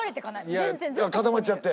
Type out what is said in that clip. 全然固まっちゃって？